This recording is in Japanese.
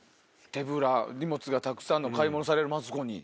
手ぶら荷物がたくさん買い物されるマツコに。